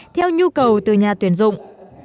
theo nhu cầu từ nhà tuyển dụng